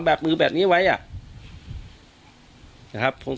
การแก้เคล็ดบางอย่างแค่นั้นเอง